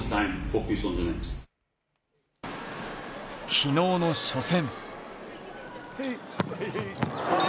昨日の初戦。